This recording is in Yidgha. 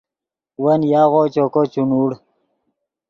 ون یاغو چوکو نوڑ